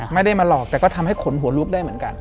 ไม่ได้มาหลอกแต่ก็ทำให้ขนหัวลุกได้เหมือนกัน